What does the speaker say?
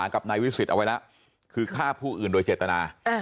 กับนายวิสิตเอาไว้แล้วคือฆ่าผู้อื่นโดยเจตนา